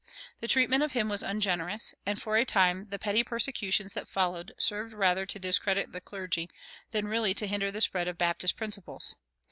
The treatment of him was ungenerous, and for a time the petty persecutions that followed served rather to discredit the clergy than really to hinder the spread of Baptist principles.